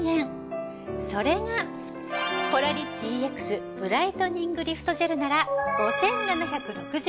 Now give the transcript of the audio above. それがコラリッチＥＸブライトニングリフトジェルなら。